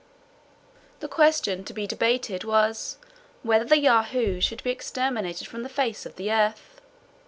The question to be debated was, "whether the Yahoos should be exterminated from the face of the earth?"